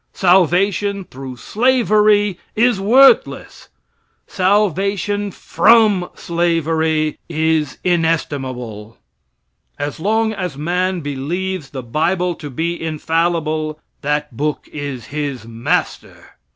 Salvation through slavery is worthless. Salvation from slavery is inestimable. As long as man believes the bible to be infallible, that book is his master.